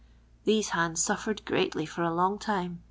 These bands euf fered greatly for a long time.